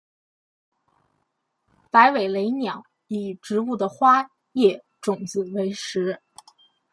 白尾雷鸟以植物的花叶种子为食。